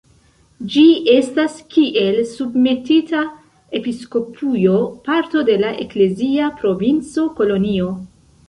Ĝi estas kiel submetita episkopujo parto de la eklezia provinco Kolonjo.